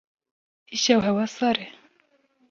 Îşev hewa sar e.